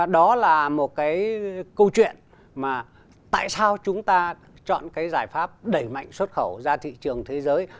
đó là một câu chuyện tại sao chúng ta chọn giải pháp đẩy mạnh xuất khẩu ra thị trường thế giới